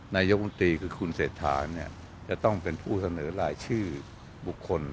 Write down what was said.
นายกมนตรีคือคุณเศรษฐาเนี่ยจะต้องเป็นผู้เสนอรายชื่อบุคคล